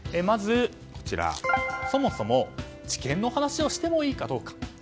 まず、そもそも治験の話をしてもいいかどうか。